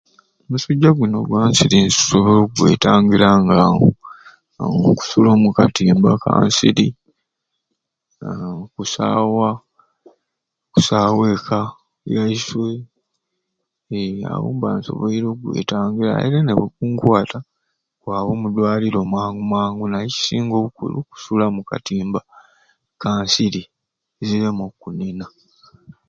Omusujja guni ogwa nsiri nsobola ogwetangira nga nkusula omuka timba ka nsiri aaa nkusawa nkusawa ekka yaiswe ee awo mba nsoboire ogwetangira era nobwe gunkwata nkwaba omudwaliro mangu mangu naye ekisinga obukulu kusula mu katimba ka nsiri zireme okunena.